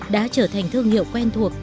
đã trở thành thương hiệu quen thuộc